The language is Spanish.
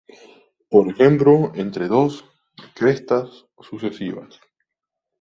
Por ejemplo, entre dos crestas sucesivas.